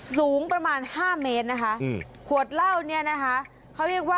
สูงประมาณ๕เมตรนะคะขวดเหล้าเนี่ยนะคะเขาเรียกว่า